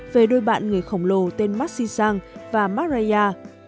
về đôi bạn người khổng lồ tên maxi sang và maria